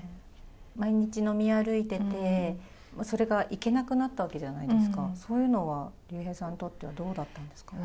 毎日飲み歩いてて、もうそれが行けなくなったわけじゃないですか、そういうのは竜兵さんにとってはどうだったんですか？